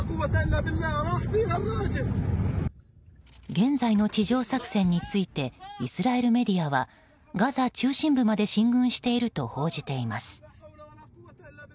現在の地上作戦についてイスラエルメディアはガザ中心部まで進軍していると報じています。